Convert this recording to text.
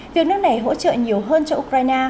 việc nước này hỗ trợ nhiều hơn cho ukraine